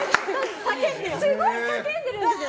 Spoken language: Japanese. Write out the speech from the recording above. すごい叫んでるんですよね。